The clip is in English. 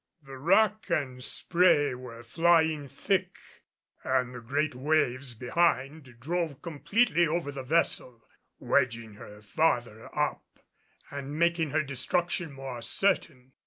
The wrack and spray were flying thick, and the great waves behind drove completely over the vessel, wedging her farther up and making her destruction more certain.